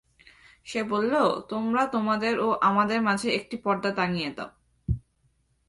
সে বলল, তোমরা তোমাদের ও আমার মাঝে একটি পর্দা টাঙ্গিয়ে দাও।